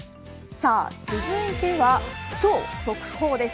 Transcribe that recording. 続いては、超速報です。